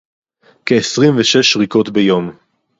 כְּעֶשְׂרִים וְשָׂשׂ שְׁרִיקוֹת בִּיּוּם